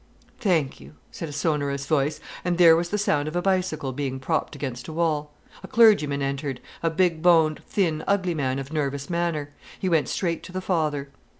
"Thank you," said a sonorous voice, and there was the sound of a bicycle being propped against a wall. A clergyman entered, a big boned, thin, ugly man of nervous manner. He went straight to the father.